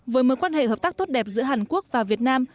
với mối quan hệ hợp tác tốt đẹp giữa hàn quốc và việt nam